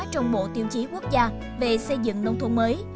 trong bộ tiêu chí quốc gia về xây dựng nông thôn mới